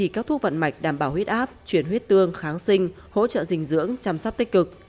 các thuốc vận mạch đảm bảo huyết áp chuyển huyết tương kháng sinh hỗ trợ dinh dưỡng chăm sóc tích cực